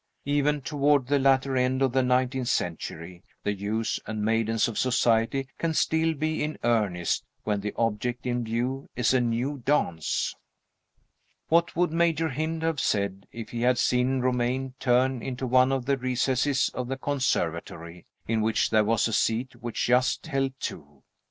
Even toward the latter end of the nineteenth century the youths and maidens of Society can still be in earnest when the object in view is a new dance. What would Major Hynd have said if he had seen Romayne turn into one of the recesses of the conservatory, in which there was a seat which just held two?